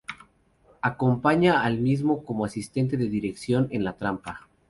Acompaña al mismo como asistente de dirección en "La trampa".